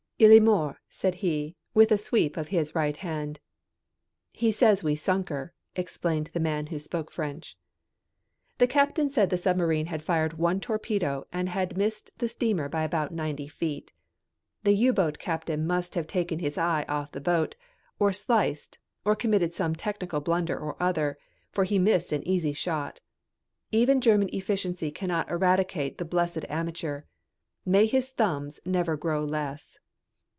"Il est mort," said he, with a sweep of his right hand. "He says we sunk her," explained the man who spoke French. The captain said the submarine had fired one torpedo and had missed the steamer by about ninety feet. The U boat captain must have taken his eye off the boat, or sliced or committed some technical blunder or other, for he missed an easy shot. Even German efficiency cannot eradicate the blessed amateur. May his thumbs never grow less!